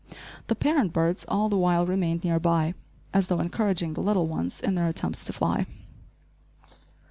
The parent birds all the while remained near by, as though encouraging the little ones in their attempts to fly.